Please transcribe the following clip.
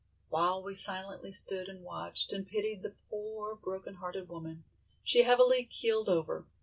While we silently stood and watched and pitied the poor broken hearted woman, she heavily keeled over.